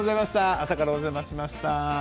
朝からお邪魔しました。